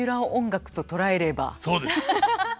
そうです。